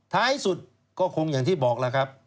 ท้ายสุดก็คงอย่างที่บอกแล้วครับ